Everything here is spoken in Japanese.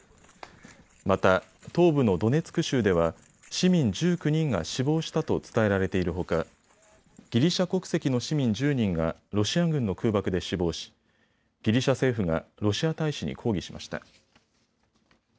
また東部のドネツク州では市民１９人が死亡したと伝えられているほかギリシャ国籍の市民１０人がロシア軍の空爆で死亡しギリシャ政府がロシア大使に抗議しました。